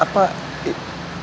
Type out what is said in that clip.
ya tapi aku mau